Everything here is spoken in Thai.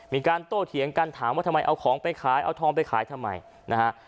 มีการโต้เถียงกันถามว่าทำไมเอาของไปขายเอาทองไปขายทำไมนะฮะ